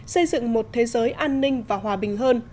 xây dựng một thế giới an ninh và hòa bình hơn